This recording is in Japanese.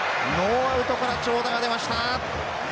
ノーアウトから長打が出ました。